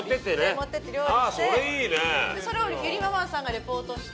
持っていって料理してそれをゆりママんさんがリポートして。